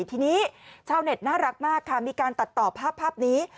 ทีนี้ชาวเน็ตน่ารักมากค่ะมีการตัดต่อภาพนี้